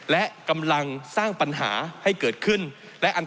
เพราะมันก็มีเท่านี้นะเพราะมันก็มีเท่านี้นะ